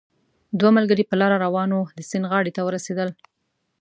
دوه ملګري په لاره روان وو، د سیند غاړې ته ورسېدل